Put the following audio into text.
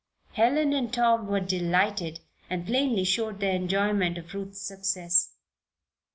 Helen and Tom were delighted and plainly showed their enjoyment of Ruth's success.